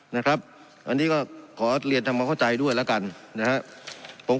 นะครับอันนี้ก็ขอเรียนทำความเข้าใจด้วยแล้วกันนะครับ